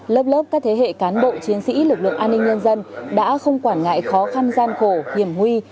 lớp lớp các thế hệ cán bộ chiến sĩ lực lượng an ninh nhân dân đã không quản ngại khó khăn gian khổ hiểm nguy